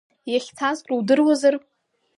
Иахьцаз крудыруазар?